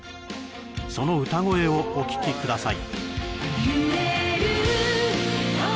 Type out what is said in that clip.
その歌声をお聴きください